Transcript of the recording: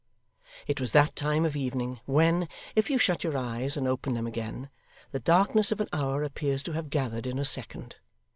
It was that time of evening when, if you shut your eyes and open them again, the darkness of an hour appears to have gathered in a second.